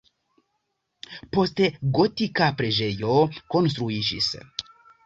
Poste gotika preĝejo konstruiĝis.